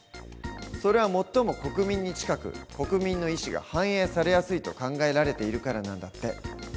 それは最も国民に近く国民の意思が反映されやすいと考えられているからなんだって。